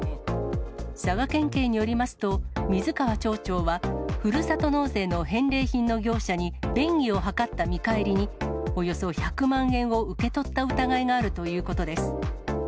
佐賀県警によりますと、水川町長は、ふるさと納税の返礼品の業者に、便宜を図った見返りに、およそ１００万円を受け取った疑いがあるということです。